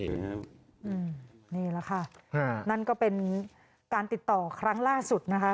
นี่แหละค่ะนั่นก็เป็นการติดต่อครั้งล่าสุดนะคะ